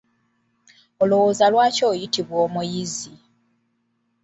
Olwooza lwaki oyitibwa omuyizi?